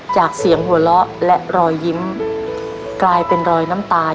จากเสียงหัวเราะและรอยยิ้มกลายเป็นรอยน้ำตาล